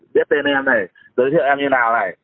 biết tên em này giới thiệu em như nào này